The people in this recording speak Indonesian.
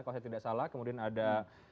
kalau saya tidak salah kemudian ada